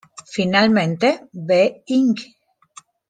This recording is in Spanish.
Finalmente, Be Inc.